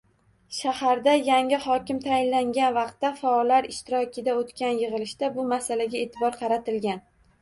Shaharga yangi hokim tayinlangan vaqtda, faollar ishtirokida oʻtgan yigʻilishda bu masalaga eʼtibor qaratilgan.